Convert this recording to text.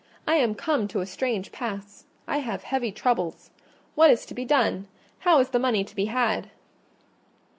I am come to a strange pass: I have heavy troubles. What is to be done? How is the money to be had?"